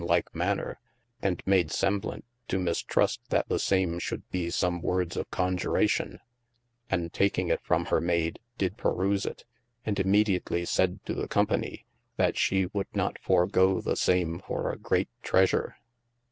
like maner, and made semblant to mistrust that the same should be some wordes of conjuration : and taking it from hir mayd, did peruse it, and immediatly said too the company, that she would not forgo the same for a great treasure.